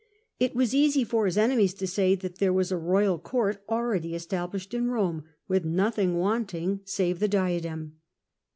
It was easy for his enemies to say that there was a royal court already established in Eome, with nothing wanting save the diadem.